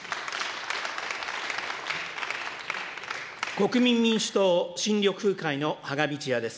国民民主党・新緑風会の芳賀道也です。